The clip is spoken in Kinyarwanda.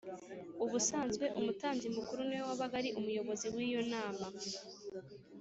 Ubusanzwe, umutambyi mukuru ni we wabaga ari umuyobozi w’iyo nama